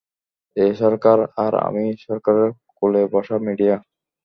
এ সরকার, আর আমি সরকারের কোলে বসা মিডিয়া।